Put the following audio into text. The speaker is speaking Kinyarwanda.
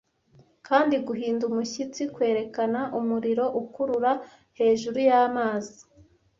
kandi guhinda umushyitsi kwerekana umuriro ukurura hejuru y'amazi